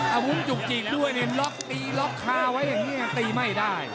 อาวุธจุกจิกด้วยเนี่ยล็อกตีล็อกคาไว้อย่างนี้ตีไม่ได้